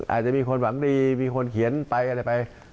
อาจจะมีคนหวังดีมีคนเขียนไปอะไรไป